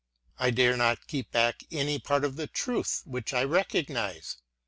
I dare not keep back any part of the truth which I recog nise.